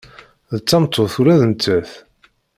D tameṭṭut ula d nettat.